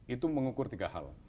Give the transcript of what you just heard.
itu mengukur tiga hal